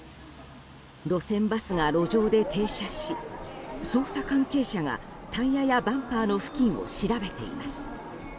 路線バスが路上で停車し捜査関係者がタイヤや、バンパーの付近を調べています。